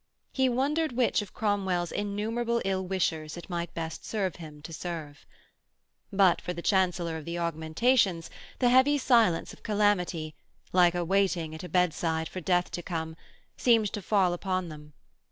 He wondered which of Cromwell's innumerable ill wishers it might best serve him to serve. But for the Chancellor of the Augmentations the heavy silence of calamity, like the waiting at a bedside for death to come, seemed to fall upon them.